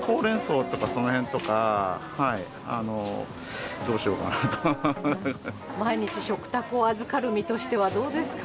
ホウレンソウとかそのへんとか、毎日、食卓を預かる身としてはどうですか？